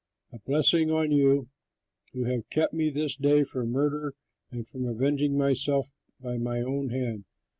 A blessing on you, who have kept me this day from murder and from avenging myself by my own hand.